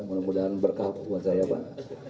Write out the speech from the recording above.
mudah mudahan berkah buat saya pak